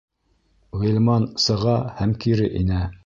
Ғилман сыға һәм кире инә.